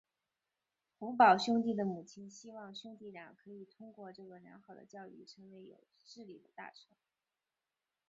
洪堡兄弟的母亲希望兄弟俩可以通过这个良好的教育成为有势力的大臣。